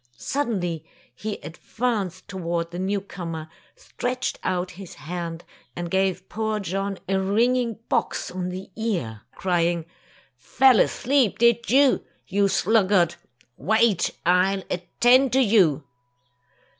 Suddenly, he advanced toward the newcomer, stretched out his hand, and gave poor John a ringing box on the ear, crying, "Fell asleep, did Tales of Modern Germany 47 you, you sluggard? Wait! I'll attend to you."